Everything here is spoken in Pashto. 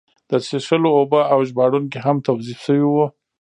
د څښلو اوبه او ژباړونکي هم توظیف شوي وو.